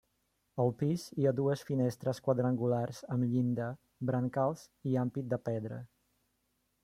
Al pis hi ha dues finestres quadrangulars amb llinda, brancals i ampit de pedra.